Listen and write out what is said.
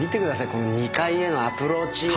この２階へのアプローチ。